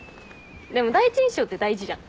でも第一印象って大事じゃん。